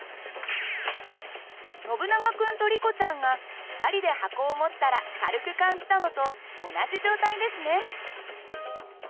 ノブナガ君とリコちゃんが２人で箱を持ったら軽く感じたのと同じ状態ですね。